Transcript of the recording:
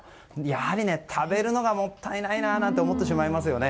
やはり食べるのがもったいないなんて思ってしまいますよね。